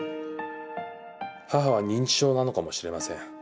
母は認知症なのかもしれません。